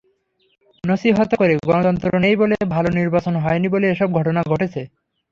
নছিহত করে, গণতন্ত্র নেই বলে, ভালো নির্বাচন হয়নি বলে এসব ঘটনা ঘটছে।